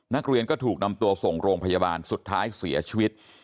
นักเรียนก็ถูกนำตัวส่งโรงพยาบาลสุดท้ายเสียชีวิต